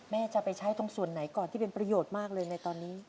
จะไปใช้ตรงส่วนไหนก่อนที่เป็นประโยชน์มากเลยในตอนนี้